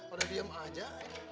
pada diem aja